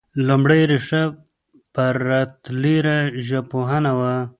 لومړۍ ريښه پرتلیره ژبپوهنه وه